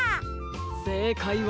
せいかいは。